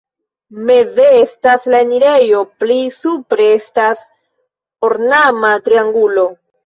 Meze estas la enirejo, pli supre estas ornama triangulo.